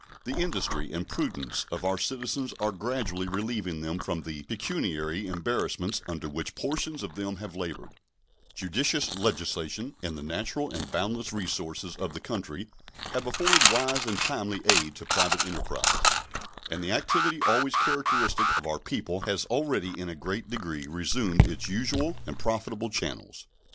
The industry and prudence of our citizens are gradually relieving them from the pecuniary embarrassments under which portions of them have labored; judicious legislation and the natural and boundless resources of the country have afforded wise end timely aid to private enterprise, and the activity always characteristic of our people has already in a great degree resumed its usual and profitable channels.